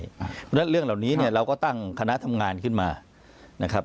เพราะฉะนั้นเรื่องเหล่านี้เนี่ยเราก็ตั้งคณะทำงานขึ้นมานะครับ